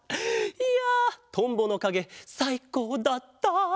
いやトンボのかげさいこうだった。